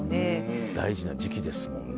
大事な時期ですもんね。